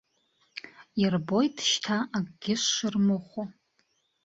Ирбоит шьҭа акгьы сшырмыхәо.